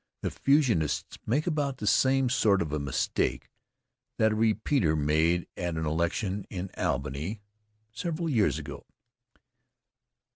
The Fusionists make about the same sort of a mistake that a repeater made at an election in Albany several years ago.